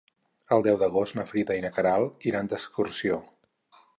El deu d'agost na Frida i na Queralt iran d'excursió.